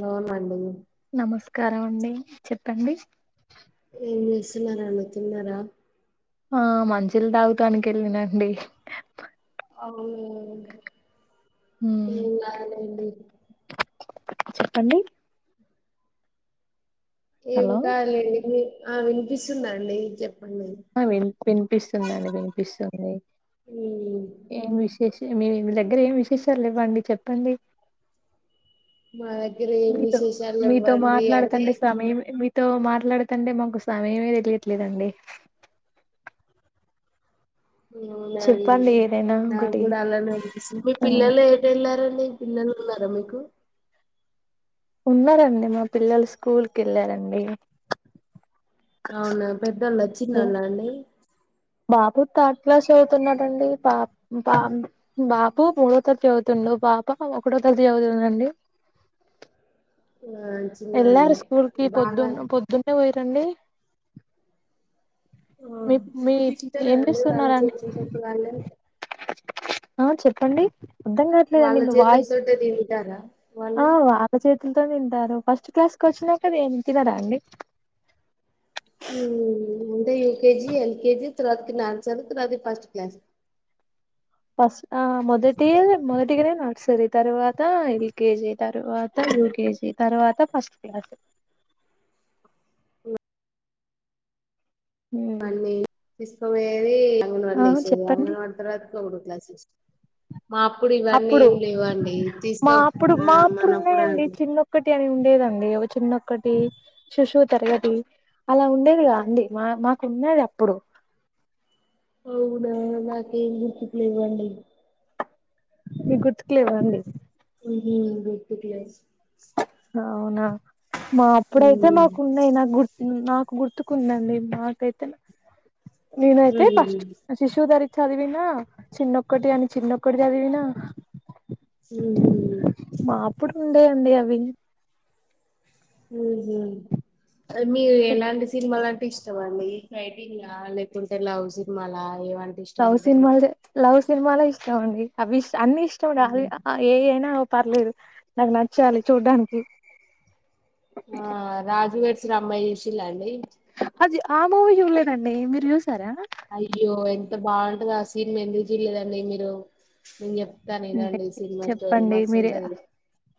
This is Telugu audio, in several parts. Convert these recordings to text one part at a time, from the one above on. లోన్ అండి నమస్కారం అండి చెప్పండి ఏం చేస్తున్నారు అండి తిన్నారా ఆ మంచిల్లు తాగుతానికి ఎళ్ళినండి అవునండి మ్ ఏం కాదండి చెప్పండి ఏం హలో కావాలి అండి మీ ఆ వినిపిస్తుందండి చెప్పండి విన్పిస్తుందండి వినిపిస్తుంది మ్మ్ ఏం విశేషి మే వీ వీళ్ళ దగ్గర ఏం విశేషాలు లేవ్వండి చెప్పండి మా దగ్గర ఏం మీతో విశేషాలు మీతో లేవ్వండి అంటే మాట్లాడుతంటే సమయం మీ తో మాట్లాడతంటే మాకు సమయమే తెలియట్లేదండి అవునా అండి చెప్పండి ఏదైనా ఒకటి నాగ్గూడా అలానే అనిపిస్తుంది మీ ఆ పిల్లలు ఏటెళ్ళారన్ డి పిల్లలున్నారా మీకు ఉన్నారండి మా పిల్లలు స్కూల్ కెళ్ళారండి అవునా పెద్దోళ్ళొచ్చిందన్నారండి బాపు తర్డ్ క్లాస్ చదువుతున్నాడండి పా పా బాపు మూడో తరగతి చదువుతుండు పాప ఒకటో తరతి జవుతుందండి ఆ ఎల్లారు చిన్నోళ్ళే స్కూల్ కి బాగా పొద్దున్న పొద్దున్నే పోయిర్రండి ఆ మీ మీ తింటారా ఏం అండి వాళ్ళ చేస్తున్నారండి చేతుల తోటి వాళ్ళే ఆ చెప్పండి అద్దం వాళ్ళ గావట్లేదండి మీ వాయిస్ చేతులతోటే తింటారా వాళ్ళు ఆ వాళ్ళ చేతి ఎంతో తింటారు ఫస్ట్ క్లాస్ కొచ్చినాక దేం తినరా అండి ఊ అంటే U K G L K G తర్వాతకి నాన్సన్ తర్వాతకి ఫస్ట్ క్లాస్ ఫస్ట్ ఆ మొదటి మొదటిగనే నార్సరి తరువాత ఎల్ కేె జి తరువాత యూ కే జీ తర్వాత ఫస్ట్ క్లాసు వాడిని తిస్కొపొయ్యేది అంగన్వాడీ ఆ లో ఏసేది చెప్పండి అంగన్వాడీ తరవాతకి ఒకటో క్లా సిస్ అప్పుడు మా తీసుకో అప్పుడు ఆ మా అప్పుడు మనప్పుడు ఉన్నాయండి అండి చిన్నొక్కటి అని ఉండేదండి ఒక చిన్నొక్కటి శిశువు తిరగతి అలా ఉండేది గద అండి మా మాకు ఉన్నది అప్పుడు అవునా నాకేం గుర్తుకులెవ్వండి మీకు గుర్తుకులేవ్వా అండి ఊహూ గుర్తుకు లేవ్ అవునా మా అప్పుడైతే గుర్తుకులేవు మాకున్నయి నాకు గుర్తున్ నాకు గుర్తుకుందండి నాకైతే నేనైతే ఫస్ట్ నా శిశువు దరి చదివినా చిన్నొక్కటి అని చిన్నొక్కటి చదివినా ఊహూ ఉండే అండి అవి ఊహూ మీరు ఎలాంటి సినిమాలు అంటే ఇష్టం అండి ఫైటింగ్ లా లేకుంటే లవ్ సినిమాలా ఏమంటే ఇష్టం లవ్ ఉంటాయి మీకు సినిమాలదే లవ్ సినిమాలే ఇష్టమండి అవిష్ అన్నీ ఇష్టం ఉండాలి ఆ ఏయి అయినా పర్లేదు నాకు నచ్చాలి చూడ్డానికి ఆ రాజు వెడ్స్ రమ్మై షూషిల్లా అండి అది ఆ మూవీ చూడలేదండి మీరు చూశారా అయ్యో ఎంత బాగుంటది ఆ సీన్ ఎందుక్ చూల్లేదండి మీరు నేను చె కానీ అంటే ఇనండి సినిమా స్టోరీ చెప్పండి మస్తు మీరే ఉంటది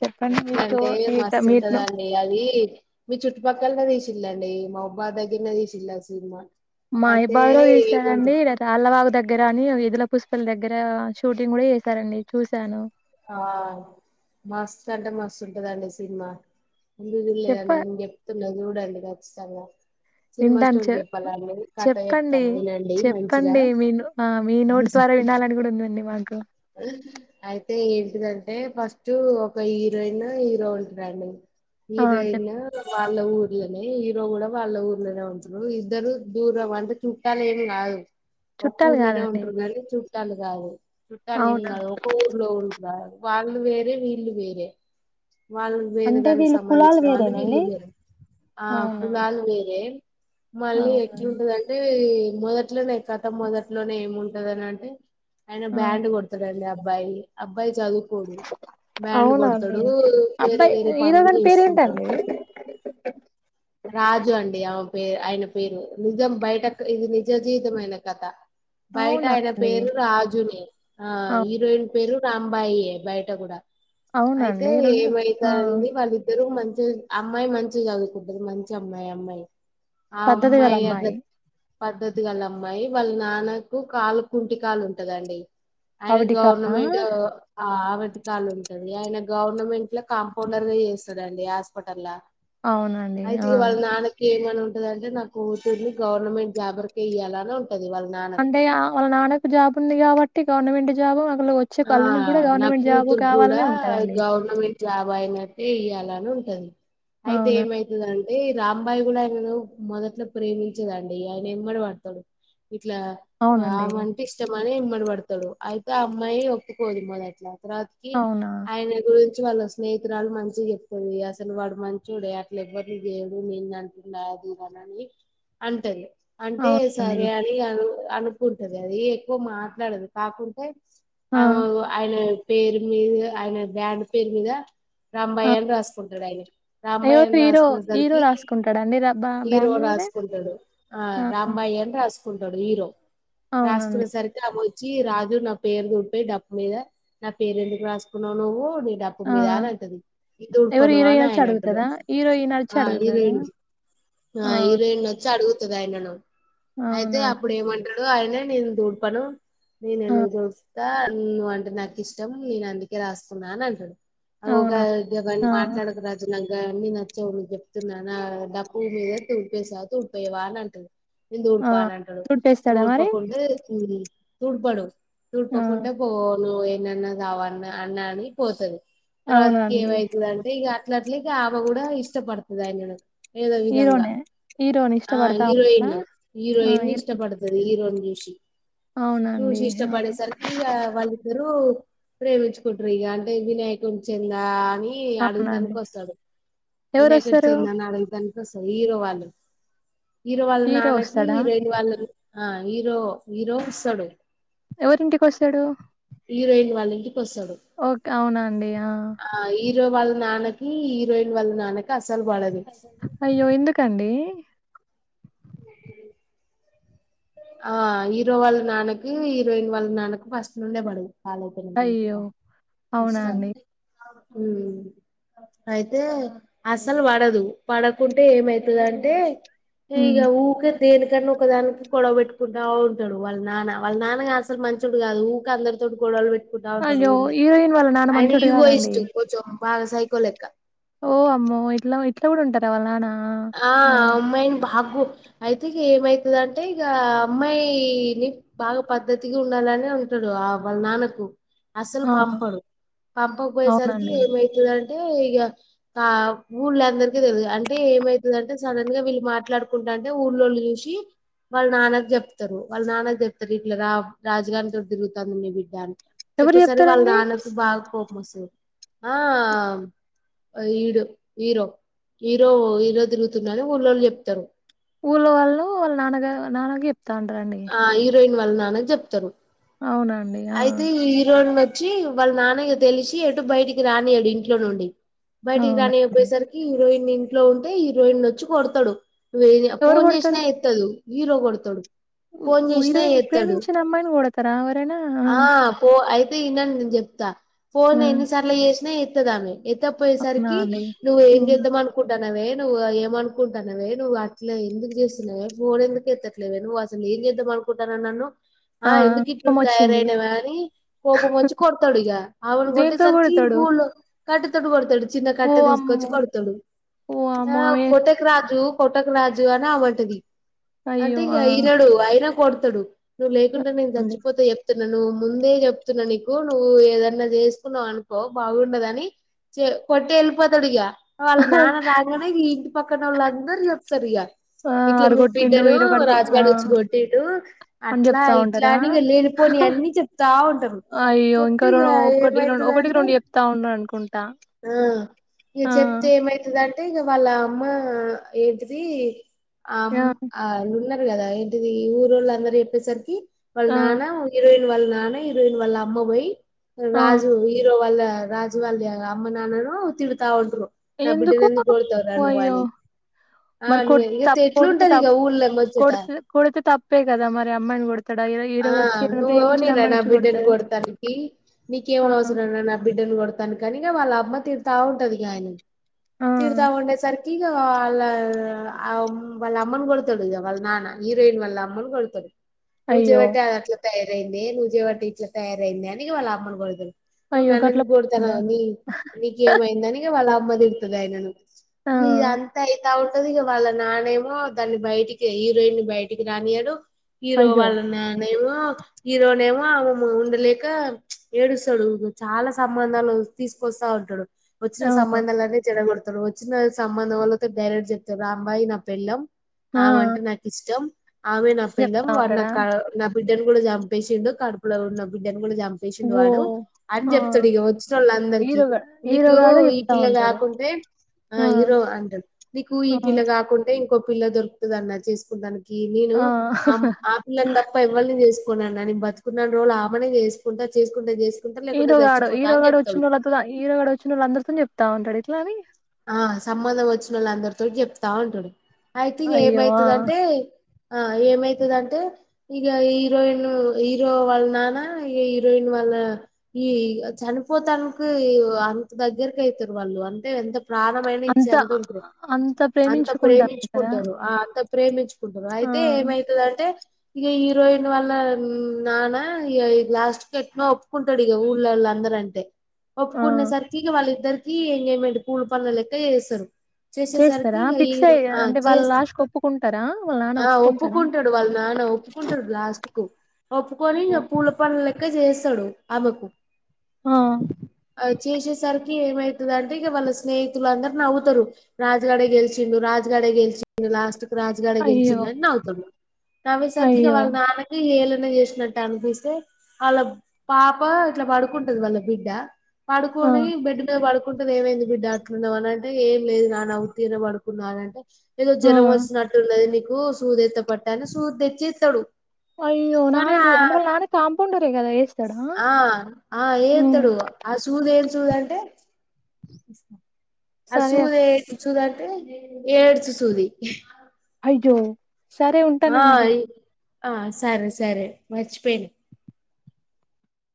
చెప్పండి మీకు ఎట్లంటే మీకు- మస్తు మీరు ఉంటదండి అది మీ చుట్టుపక్కల లనె దీషిండు మోబా దగ్గరె దీ షిండ ఆ సినిమా మా అయితే ఇబాబ లో ఏమంట తీశారంండి లేద అళ్ల వాళ్లబాగ దగ్గర కాని ఇదుల పుష్పల దగ్గర షూటింగ్ కూడ చేసారంండి చూశాను ఆ మస్త్ అంటే మస్తుంటదండి సినిమా చెప్ప ముందుదిల్లేదండి మీ చెప్తున్నా చూడండి ఖచ్చితంగా సినిమా వింటాను స్టోరీ చె చెప్పాలండి కథ చెప్పండి చెప్తాను వినండి మంచిగా చెప్పండి మీను ఆ మీ నోటి ద్వారా వినాలని కూడా ఉందండి మాకు అయితే ఏంటిదంటే ఫస్ట్ ఒక హీరోయిన్ హీరో ఉంటుారండి ఆ చెప్ హీరోయిన్ వాళ్ళ ఊర్లలోనె హీరో కూడ వాళ్ళ ఊర్లోనే ఉంటుారు ఇద్దరు దూరం అంటే చుట్టాలు ఏం కాదు ఒక్క చుట్టాలు ఊర్లోనే కాదండి ఉంటరు గాని చుట్టాలు కాదు చుట్టాలు ఏం అవునా కాదు ఒక ఊర్లో ఉ వాళ్ళు వేరే వీళ్లు వేరే వాళ్ళు వేరే అంటే దానికి వీళ్ళు కులాలు సంబంధించిన వాళ్ళు వేరేనండి వీళ్ళు వేరే ఆ అవునా కులాలు వేరే మళ్ళీ అవునా ఎట్లుంటదంటే మొదట్లోనే కథ మొదట్లోనే ఏముంటదని అంటే ఆయన ఆ బ్యాండ్ కొడతాడండి అబ్బాయి అబ్బాయి చదువుకోడు బ్యాండ్ అవునండి కొడతాడు వేరే అబ్బాయి వేరే హీరో పనులు గాని పేరేంటండి చేసుకుంటాడు రాజు అండి అ పేరు ఆయన పేరు నిజం బయటక్ ఇది నిజ జీవితమైన కథ బయట అవునా ఆయన అండి పేరు రాజునె ఆ అవు హీరోయిన్ పేరు రాంబాయి బయట కూడ అయితే అవునండి రెండు ఆ ఏమైతంది వాళ్ళిద్దరుూ మంచి అమ్మాయి మంచి చదుకుంటది మంచి అమ్మాయి అమ్మాయి ఆ పద్ధతి గల అమ్మాయి అ పద్ధతి గల అమ్మాయి వాళ్ళ నాన్నకు కాలు కుంటి కాలు ఉంటదండి ఆయన అవిటికా గవర్నమెంట్ ఆ ఓట్టి కాలు ఉంటది ఆయన గవర్నమెంట్ లో కాంపౌండర్ చేస్తాడండి హాస్పిటల్ ల అవునండి ఐతే ఆ ఇక వాళ్ళ నాన్నకి ఉంటది అంటే నా కూతుర్ని గవర్నమెంట్ జాబ్ ఒడికె ఇయాల అంటే వాళ్ళ నాన్నకు జాబ్ ఉంది కాబట్టి గవర్నమెంట్ జాబు వచ్చే ఆ అళ్లుని కూడ నా గవర్నమెంట్ జాబ్ కావాలనే ఉంటదండి జాబా అయినయితే ఇయ్యాలని ఉంటది అయితే అవునా ఏమవుతుందింే ఏ రాంబాయి కూడా ఆయన మొదట్లో ప్రేమించేదండి ఆయన ఎమ్మడ పడతాడు ఇట్లా అవునండి ఆమెంట ఇష్టమని ఎమ్మడ పడతాడు అయితే ఆ అమ్మాయి ఒప్పుకోదు మోదట్లా కి అవునా ఆయన గు మ వాళ్ళ స్నేహితురాలుు మంచిగ చెప్తది అసలు వాడు మంచిోడే అట్ల ఎవ్వరు లేడు నేను అంటున్నారు అనని అంటది అంటే అవునండి సరే అని అ అనుకుంటది అది ఎక్కువ మాట్లాడదు కాకుంటే ఆ ఆయన పేరు మీద ఆయన బ్యాండ్ పేరు మీద ఆ రాంబాయి అని రాసుకుంటాడు అయన ఎవరు రాంబయ్యని హీరో హీరో రాసుకునేసరికి రాసుకుంటాడండి ర బ హీరో బ్యాండ్ మీద రాసుకుంటాడు ఆ రాంబాయి అని రాజకు కుంటాడు హీరో అవునండి రాసుకునే సరికి అ వచ్చి రాజు నా పేరు ద డుపె డప్ మీద నా పేరు ఎందుకు రాసుకున్నావు్ నువ్వు మీ డప్పు ఆ మీద అని అంటది ఇది తుడపను అని ఆయన అంటడు ఈన వచ్చి అడుగు తద ఆ హీరోయిన్ వచ్చి అడుగుతది ఆయనను అయితే అవునండి అప్పుడు ఏమంట అయన నేను తూర్పను ఆ నను ఎ దూ నువ్వు అంటే నాకు ఇష్టం నేను అందుకే రాత్సున్నా అని అంటాడు ఊకా అవునా గవన్ని ఆ మాట్లాడకు రాజు నాక్ గ అన్నీ నచ్చవు చెప్తున్నా డప్పు మీద తుడిపేస్తావ తుడిపోయేవ అని అంటది నేన్ ఆ తుడ్డానంటాడు చుట్టేస్తాడా మరి తోడ్పకుం తుడ్పడు ఆ తుడ్పకుంటె పో నువ్ ఏన్నన్నా కావన్నా అన్నా అని పోతుంది తర్వాతికి అవునండి ఏమయితుంది అంటే ఇక అట్ల అట్లే ఆ వె కూడ ఇష్టపడుతుంది ఆయనకు ఏదో విధంగా హీరోనే హీరోని ఆ ఇష్టపడతా ఉంటదా హీరోయిన్ ఆ హీరోయిన్ హీరో ఇష్టపడుతుంది హీరో ని జేషి అవునండి హా గురికి ఇక వాళ్ళిద్దరుూ ప్రేమించుకుంటారు ఇక అంటే వినాయకుడి చెంద అని అడుగుతానికి అవునండి వస్తాడు ఎవరు వినాకుడికి వస్తారు చెందా అడుగుతానికి స్తర్ హీరో వాళ్ళు హీరో వాళ్ళ నాన్నకి రైడు వాళ్ళు ఆ హీరో హీరో వస్తడు ఎవరింటికి వస్తాడు హీరోయిన్ వాళ్ళ ఇంటికి వస్తాడు ఓకే అవునా అండి ఆ హీరో వాళ్ళ నాన్న కి హీరోయిన్ వాళ్ళ నాన్నకి అస్సల్ పడదు అయ్యో ఎందుకండి ఆ హీరో వాళ్ళ నాన్నకి హీరోయిన్ వాళ్ళ నాన్నకు ఫస్ట్ నుండే పడదు ఆ లెక్కనె అయ్యో అవునా ఇస్తాను అండి ఉమ్ అయితే అస్సలు పడదు పడకుంటే ఏమైతదంటే ఉమ్ ఇగా ఊకే దేనికను ఒకదానికి గొడవ పెట్టుకుంటా ఉంటాడు వాళ్ళ నాన్న వాళ్ళ నాన్నగా అసల్ మంచోడు కాదు ఊకె అందరితోటి గొడవలు పెట్టి కుంటా ఉంటాడు. అయ్యో ఊళ్లె హీరోయిన్ వాళ్ళ నాన్న ఆయన మంచోడు యిగో కాదండి ఇష్ట్ర కొంచం బాగ సైకో లెక్క ఓ అమ్మో ఎట్ల ఇట్లా కూడా ఉంటారు వాల్ల నాన్న ఆ అమ్మాయిని భాగు అయితే ఇక ఏమైతుందింటే ఇక అమ్మాయిని బాగా పద్ద్దతిగా ఉండాలని ఉ తుడు వాళ్ళ నాన్నకు అసలు ఆ! పంపడు పంపబయేసరికి అవునండి. ఏమయితదం టే ఇ గ ఊళ్ళ అందరికీ తెలిదు అంటే ఏమైతే దంటే సడన్ గా వీళ్ళు మాట్లాడుకుంటా అంటే ఊర్లోళ్ళు చూసి వాళ్ళ నాన్నకు చెప్తారు వాళ్ళ నాన్న చెప్తారు ఇట్ల రా రాజగారితో తిరుగుతాంది నీ బిడ్డానికి ఎవరు చెప్పేసరికి వాళ్ళ జెప్తారండి? నాన్నకి బాగా కోపం వస్తుంది ఆ ఈడు హీరో హీరో హీరో తిరుగుతున్నని ఊళ్ళోళ్ళు చెప్తారు ఊళ్ళో వాళ్ళు వాళ్ళ నాన్నగ నాన్న కి చెప్తా ఉంటారండి వాల్ నాన్నని చెప్తారు అవునండి. ఆ! అయితే హీరో మధ్య వచ్చి వాళ్ళ నాన్న తెలిసి ఎటు బయటికి రానియాడు ఇంట్లో నుండి బయటికి అవునండి. రానియపోయేసరికి హీరోయిన్ ఇంట్లో ఉంటే హీరోయిన్ వచ్చి కొడతాడు ఎవరు ఫోన్ గొడతారు? చేసినా ఎత్తదు హీరో కొడ్తడు ఫోన్ ఉ చేసిన హీరోయిన్ ఎత్తడు ప్రేమించిన అమ్మాయిని గొడతారా ఎవరైనా? ఆ పో అయితే ఇనను నేను చెప్తా ఫోన్ ఆ! ఎన్నిసార్లు చేసినా ఎత్తదామె అవునా ఎత్తపోయేసరికి అండి? నువ్వు ఏం హ్మ్. చేద్దామనుకుంటా వే నువ్వు ఏమనుకుంటాన్నావే నువ్వు అట్ల ఎందుకు చేస్తున్నావే ఫోన్ ఎందుకు ఎత్తట్లేవే నువ్వు అసల్ ఏం చేద్దాం అనుకుంటున్నావ్ నన్ను ఆ ఎందుకు ఇట్లు కోపమొచ్చింది. తయారయినవా అని కోపం వచ్చి కొడతాడు ఇక ఆమెని దేంతో కొట్టేసరికి గొడతాడు? బోలో కట్టే తోటి కొడుతాడు చిన్న ఓ కట్టె తీసుకొచ్చి అమ్మో! కొడుతాడు ఓ అమ్మో! ఆ ఆమె కోట్టకు రాజు కొట్టకు రాజు అని ఆమె అంటది అయ్యో ఆ అయినా కొడుతడు నువ్వు ఆ! లేకుండా నేను అండి. చచ్చిపోత చేప్తున్న న్న నువ్ ముందే చెప్తున్నా నీకు నువ్వు ఏదన్నా చేసుకున్నావనుకో బాగుండదని చ్ కొట్టటి వెళ్ళిపోతాడు ఇగ వాళ్ళ నాన్న రాగానే ఇగ ఇంటి పక్కన వాళ్ళు అందరు చెప్తారు ఇగ ఆ! ఇట్లా ఆడు మీరు గొట్టిండు. బిడ్డను ఈరోకడు గొ రాజు ఆ! గడు వచ్చి కొట్టిండు అని అట్లా జెప్తా ఇట్లా ఉంటారా? అని ఇగ లేని పోని అన్ని చెప్తా ఉంటారు ఒకరన్ ఒకటికి రెం ఒకటికి రెండు చెప్తా ఉన్నారానుక్ ఆ ఇగ చెప్తే ఏమైత దాన్ తె ఇగ వాళ్ళ అమ్మా ఏంటిది ఆమ్ ఆ! అ ళ్ళున్న కదా ఏంటిది ఊరుోళ్ళు అందరూ చెప్పేసరికి వాళ్ళు ఆ! నాన్న ఇరవై వాళ్ళ నాన్న హీరోయిన్ వాళ్ళ అమ్మ పోయి ఆ! రాజు హీరో వాళ్ళ రాజు వాళ్ళ అమ్మ నాన్నను తిడుతా ఉంట్రు నా బిడ్డను ఎందుకు కొడుతావ్ రా నువ్ అయ్యో! అనిి ఆ మరి కొ నువ్ తప్ కొడితే ఎట్లుంటది ఇగ ఊళ్లే ముచ్చట ప్పే కదా మరి అమ్మయిని కోడ్ ఆ నువ్వ ఎవనివి రా నా బిడ్డని కొడతాడా? కొడుతానికి నీకేం ఆ! అవసరం రా నా బిడ్డని కొడుతానికి కనిగ వాళ్ళ అమ్మ తీడుతా ఉంటది ఇగ ఆయనని ఆ! తీడుతా ఉండేసరి ఇగ వాళ్ళ వాళ్ళ అమ్మను కొడుతాడు ఇగ వాళ్ళ నాన్న హీరోయిన్ వాళ్ళ అమ్మను కొడుతాడు నువ్వు అయ్యో! చేయబట్టే అది అట్లా తయారైందే నువ్వు చేయబట్టే ఇట్లా తయారైందే అని వాళ్ళ అమ్మనుకొడుతాడు నువ్వు అయ్యో! గట్ల నన్నేందుకు పుట్టిందా? కొడుతనవ్ నీ నీకేమైందని ఇగ వాళ్ళ అమ్మ తిడుతది ఆయనను ఆ! ఇగ అంత అయిత ఉం తది ఇగ వాళ్ళ నానేమో దాన్ని బయటికి హీరోయిన్ ని బయటికి రానియడు హీరో అయ్యో! వాళ్ళ ఏమో హీరోనే ఏమో ఉండలేక ఏడుస్తాడు చాలా సంబంధాలు తీసుకొస్తా ఉంటాడు వచ్చిన ఆ! సంబంధాలన్న చెడగొడుతాడు వచ్చిన సంబంధం వళ్ళతోటి డైరెక్ట్ చెప్తాడు అంబాయి నా పెళ్లం ఆ! ఆమె అంటే నాకు ఇష్టం ఆమె నా పెల్లం చెప్తా వాడ్ ఉంటాడా? కా న బిడ్ బిడ్డను కూడా చంపేసిండు కాడుపుల ఉన్న బిడ్డన్ కూడా చంపేసిం ఓ! వాడు అని ఆ! చెప్తాడు ఇగ వచ్చిన వాళ్ళు అందరికి హీరోగా నీకు హీరోగాడు ఈ చెప్తా పిల్ల కాక్ ఉంటాడు. కాకుంటే ఆ హిరో అంటడు నీకు ఈ ఆ! పిల్ల కాకుంటే ఇంకో పిల్ల దొరుకుతదన్న చేసుకోడాానికి నేను ఆ! ఆ పిల్లని తప్ప ఎవ్వల్ని చేసుకోన్నా నేను బతుకున్న రోజులు ఆమేనే చేసుకుంటా చేసుకుంటే చేస్ హీరోగాడు హీరోగాడు వచ్చిన వాళ్ళతో హిరోగాడు వచ్చిన వాళ్ళ అందరితో చెప్తా ఉంటాడ ఇట్లా అని ఆ సంబంధం వచ్చిన వాళ్ళు అందరితోటి చెప్తా ఉంటాడు అయితే ఇగ అయ్యో ఆ ఏమైతదంటే ఆ ఏమైతదంటే ఇగ హీరోయిన్ హీరో వాళ్ళ నాన హీరోయిన్ వాళ్ళ ఈ చనిపోతానికి అంత దగ్గరకి అయితారు వాళ్ళు అంటే ఎంత ప్రాణమైన ఇచ్చే అంత ఉంటారు అంత అంత ప్రేమించుకుంటాంటారా ప్రేమించుకుంటారు ఆ అంత ప్రేమించుకుంటారు ఆ అయితే ఏమైతదంటే ఇగ హీరోయిన్ వల్ల నానా ఇగ లాస్ట్ కెట్నో ఒప్పుకుంటాడు ఇగ ఊళ్ళలో రంటే ఆ ఒప్పుకునే సరికి ఇగ వాళ్ళిద్దరికి ఎంగేజ్మెంట్ పుల పండ్ల లెక్క చేస్తారు చేసేసరికి చేస్తారా ఇగ ఈ ఫిక్స్ హీరో అయ ఆ అంటే వాళ్ళ చేస్తారు లాస్ట్ కు ఒప్పుకుంటారా వాళ్ళ నాన్న ఆ ఒప్పుకుంటాడా ఒప్పుకుంటాడు వాళ్ళు నాన్న ఒప్పుకుంటాడు లాస్ట్ కు ఒప్పుకొని ఇగ పూల పండ్ల లెక్క చేస్తాడు ఆమెకు ఆ అయి చేషే సరు కి ఏమైతుదంటే ఇక వాళ్ళు స్నేహితులదరూ నవ్వుతరు రాజుగాడే గెలిచిండు రాజుగాడే గెలిచిండు లాస్ట్ రాజు గాడే అయ్యో గెలిచిండని నవ్వుతడు నవ్వేసరికి ఇగ అయ్యో వాళ్ళ నాన్నకి ఏలు లు చేసినట్టు అనిపిస్తే వాళ్ళ పాప ఇట్ల పడుకుంటది వాళ్ళ బిడ్డ ఆ పడుకొని బెడ్ మీద పడుకుంటుది ఏమైంది బిడ్డ అట్లున్నావ్ అని అంటే ఏం లేదు నాన్న ఉత్తిగనే పడుకున్నా అని అంటే ఏదో ఆ జరం వచ్చినట్టున్నది నీకు సూది ఎత్త పట్టు అని సూది తెచ్చి ఎత్తడు అయ్యో కనీ ఆ నాన్నది అంటే వాళ్ళ నాన్న కాంపౌండరే కదా ఏస్తాడా ఆ ఆ ఉమ్ ఏత్తడు ఆ సూది ఏం సూది అంటే ఆ సరే అక్ సూదే సుదా అంటే ఏడ్చు సూది అయ్జో సరే ఆ ఉంటానా మరి ఆ సరే సరే మర్చిపోయిను